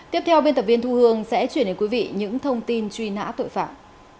tiếp theo biên tập viên thu hương sẽ chuyển đến quý vị những thông tin truy nã tội phạm